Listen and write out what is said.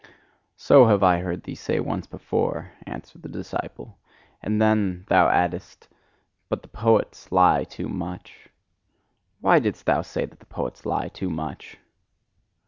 "So have I heard thee say once before," answered the disciple, "and then thou addedst: 'But the poets lie too much.' Why didst thou say that the poets lie too much?"